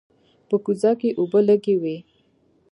په کوزه کې اوبه لږې وې.